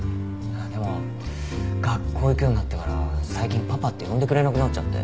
でも学校に行くようになってから最近パパって呼んでくれなくなっちゃって。